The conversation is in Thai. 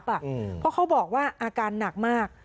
เพราะเขาบอกว่าอาการหนักมาก